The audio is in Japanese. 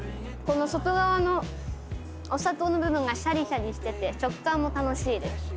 この外側のお砂糖の部分がシャリシャリしてて食感も楽しいです。